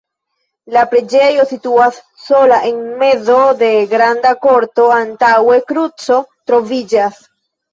La preĝejo situas sola en mezo de granda korto, antaŭe kruco troviĝas.